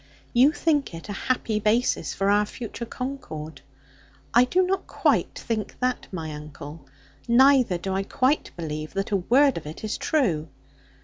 You think it a happy basis for our future concord. I do not quite think that, my uncle; neither do I quite believe that a word of it is true.